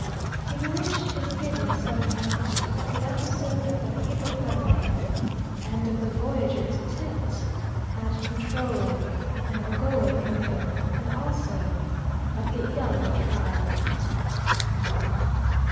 In which is given some account of the episode of the Hippopotame, and of the voyager's attempts at controlling an Ogowe canoe; and also of the Igalwa tribe.